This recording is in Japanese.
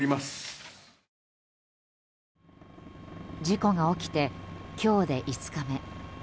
事故が起きて今日で５日目。